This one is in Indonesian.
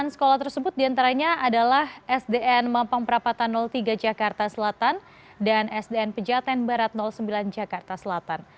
sembilan sekolah tersebut diantaranya adalah sdn mampang perapatan tiga jakarta selatan dan sdn pejaten barat sembilan jakarta selatan